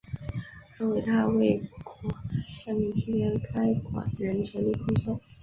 在伟大卫国战争期间该馆仍全力工作。